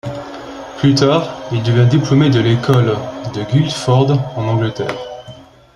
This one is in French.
Plus tard, il devient diplômé de l'École de Guildford en Angleterre.